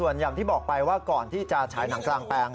อย่างที่บอกไปว่าก่อนที่จะฉายหนังกลางแปลง